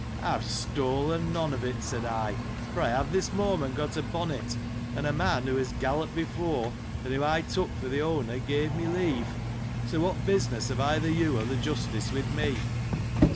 I have stolen none of it, said I, for I have this moment got upon it, and a man, :who has galloped before, and who I took for the owner, gave me leave : so, what business have either you, or the Justice with me.